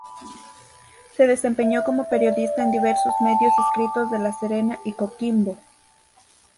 Se desempeñó como periodista en diversos medios escritos de La Serena y Coquimbo.